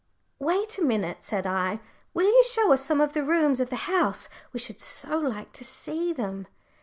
"Wait a minute," said I; "will you show us some of the rooms of the house? We should so like to see them."